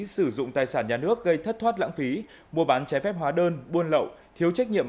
sử dụng tài sản nhà nước gây thất thoát lãng phí mua bán trái phép hóa đơn buôn lậu thiếu trách nhiệm